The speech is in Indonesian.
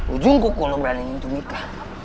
ujung kuku lo berani ngintu mika